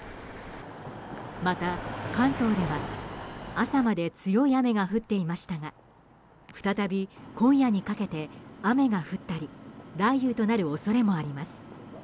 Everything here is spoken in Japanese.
また、関東では朝まで強い雨が降っていましたが再び今夜にかけて、雨が降ったり雷雨となる恐れもあります。